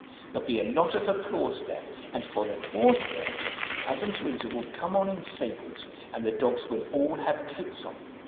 There'll be a lot of applause there, and for the fourth verse Cousin Teresa will come on in sables and the dogs will all have coats on.